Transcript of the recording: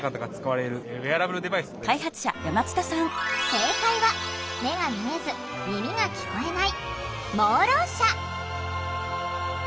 正解は目が見えず耳が聞こえない「盲ろう者」。